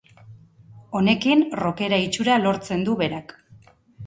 Honekin rockera itxura lortzen du berak.